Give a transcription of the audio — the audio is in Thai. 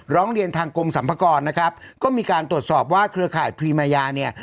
ร้องเรียนทางกรมสรรพากรนะครับก็มีการตรวจสอบว่าเครือข่ายพรีมายาเนี่ย